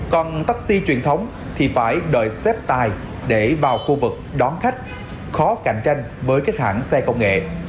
còn taxi truyền thống thì phải đợi xếp tài để vào khu vực đón khách khó cạnh tranh với các hãng xe công nghệ